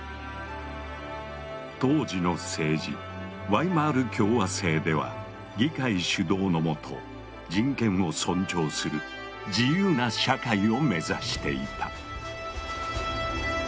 当時の政治・ワイマール共和政では議会主導のもと人権を尊重する自由な社会を目指していた。